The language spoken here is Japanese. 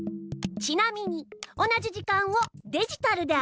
ちなみに同じ時間をデジタルであらわすと。